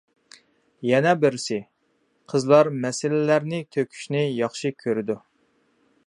يەنە بىرسى، قىزلار مەسىلىلەرنى تۆكۈشنى ياخشى كۆرىدۇ.